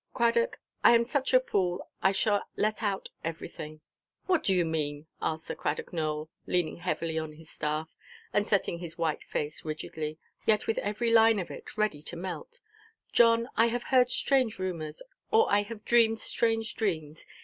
"Cradock, I am such a fool I shall let out everything." "What do you mean?" asked Sir Cradock Nowell, leaning heavily on his staff, and setting his white face rigidly, yet with every line of it ready to melt; "John, I have heard strange rumours, or I have dreamed strange dreams.